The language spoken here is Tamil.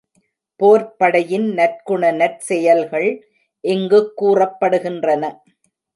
போர்ப் படையின் நற்குண நற்செயல்கள் இங்குக் கூறப்படுகின்றன.